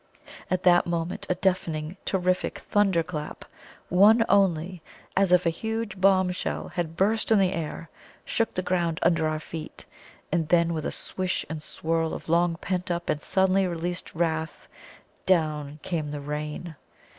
At that moment a deafening, terrific thunder clap one only as if a huge bombshell had burst in the air, shook the ground under our feet; and then with a swish and swirl of long pent up and suddenly released wrath, down came the rain.